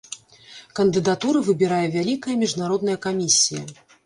Кандыдатуры выбірае вялікая міжнародная камісія.